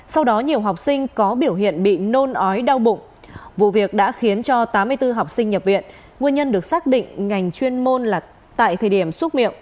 sau đó nhiều học sinh có biểu hiện bị nôn ói đau bụng vụ việc đã khiến cho tám mươi bốn học sinh nhập viện nguyên nhân được xác định ngành chuyên môn là tại thời điểm xúc miệng